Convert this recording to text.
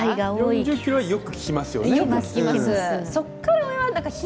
４０ｋｍ台はよく聞きますよね。